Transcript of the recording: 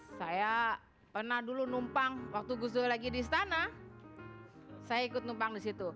saya pernah dulu numpang waktu gus dur lagi di istana saya ikut numpang di situ